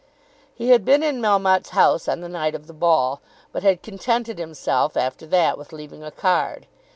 He had been in Melmotte's house on the night of the ball, but had contented himself after that with leaving a card.